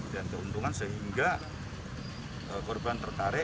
dan keuntungan sehingga korban tertarik